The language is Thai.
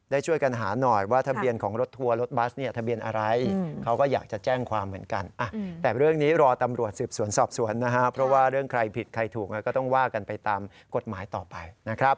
ได้ช่วยกันหาหน่อยว่าทะเบียนของรถทัวร์รถบัสทะเบียนอะไร